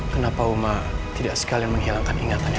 kenapa oma tidak sekalian menghilangkan ingatannya